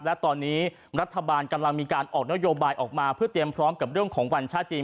และตอนนี้รัฐบาลกำลังมีการออกนโยบายออกมาเพื่อเตรียมพร้อมกับเรื่องของวันชาติจีน